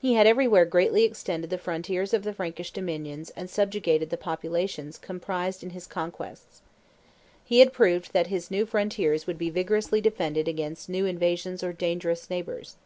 He had everywhere greatly extended the frontiers of the Frankish dominions and subjugated the populations comprised in his conquests. He had proved that his new frontiers would be vigorously defended against new invasions or dangerous neighbors.